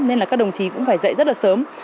nên các đồng chí cũng phải dạy rất là sớm